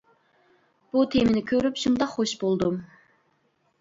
بۇ تېمىنى كۆرۈپ شۇنداق خوش بولدۇم.